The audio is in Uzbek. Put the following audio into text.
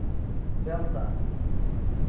belta